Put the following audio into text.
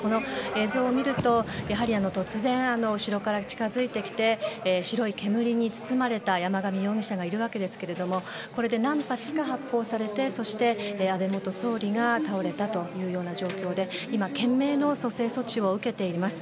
映像を見ると突然後ろから近づいてきて白い煙に包まれた山上容疑者がいるわけですがこれで何発か発砲されてそして、安倍元総理が倒れたというような状況で今、懸命の蘇生措置を受けています。